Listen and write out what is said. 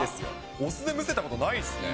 お酢でむせたことないですね。